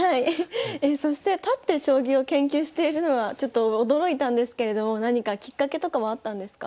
そして立って将棋を研究しているのはちょっと驚いたんですけれども何かきっかけとかはあったんですか？